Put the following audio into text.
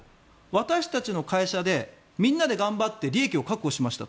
私たちの会社でみんなで頑張って利益を確保しました。